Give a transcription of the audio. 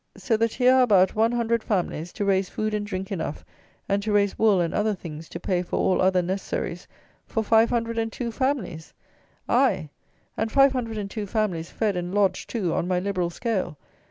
So that here are about one hundred families to raise food and drink enough, and to raise wool and other things to pay for all other necessaries, for five hundred and two families! Aye, and five hundred and two families fed and lodged, too, on my liberal scale.